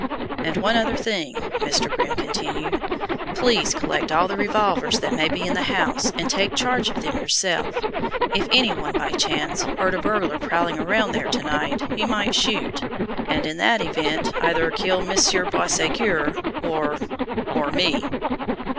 "And one other thing," Mr. Grimm continued, "please collect all the revolvers that may be in the house and take charge of them yourself. If any one, by chance, heard a burglar prowling around there to night he might shoot, and in that event either kill Monsieur Boisségur or or me!"